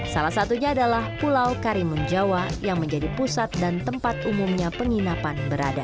salah satunya adalah pulau karimun jawa yang menjadi pusat dan tempat umumnya penginapan berada